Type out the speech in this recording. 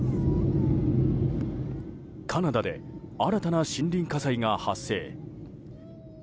カナダで新たな森林火災が発生。